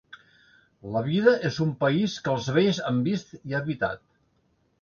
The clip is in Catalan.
La vida és un país que els vells han vist i habitat.